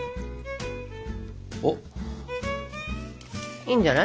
いいんじゃない？